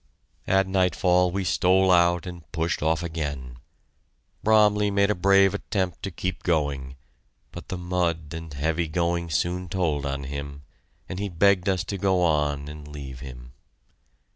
At nightfall we stole out and pushed off again. Bromley made a brave attempt to keep going, but the mud and heavy going soon told on him, and he begged us to go on and leave him.